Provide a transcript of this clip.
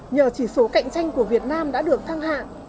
nhờ chỉ số cạnh tranh của việt nam đã được thăng hạng